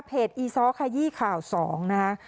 เพจอีซ้อคายี่ข่าว๒นะคะ